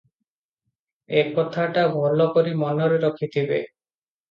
କଥାଟା ଭଲ କରି ମନରେ ରଖିଥିବେ ।